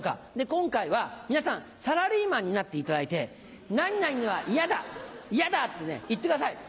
今回は皆さんサラリーマンになっていただいて「何々はイヤだイヤだ」って言ってください。